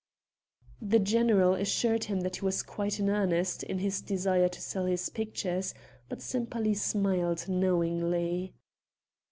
The general assured him that he was quite in earnest in his desire to sell his pictures, but Sempaly smiled knowingly.